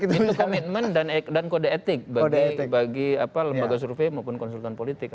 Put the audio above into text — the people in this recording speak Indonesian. itu komitmen dan kode etik bagi lembaga survei maupun konsultan politik